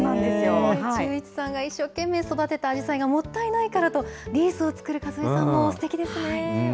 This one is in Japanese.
忠一さんが一生懸命育てたあじさいがもったいないとリースを作る和江さんもすてきですね。